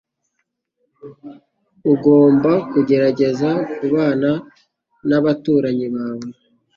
Ugomba kugerageza kubana nabaturanyi bawe